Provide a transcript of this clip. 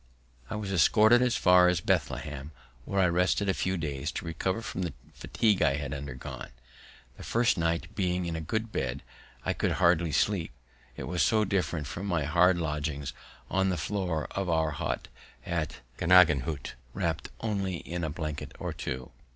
I was escorted as far as Bethlehem, where I rested a few days to recover from the fatigue I had undergone. The first night, being in a good bed, I could hardly sleep, it was so different from my hard lodging on the floor of our hut at Gnaden wrapt only in a blanket or two.